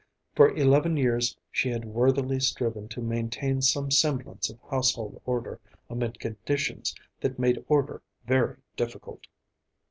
For eleven years she had worthily striven to maintain some semblance of household order amid conditions that made order very difficult.